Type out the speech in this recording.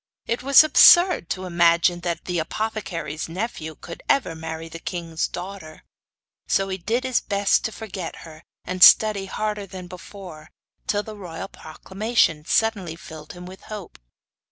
It was absurd to imagine that the apothecary's nephew could ever marry the king's daughter; so he did his best to forget her, and study harder than before, till the royal proclamation suddenly filled him with hope.